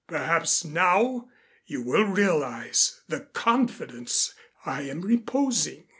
Perhaps now you will realize the confidence I am reposing."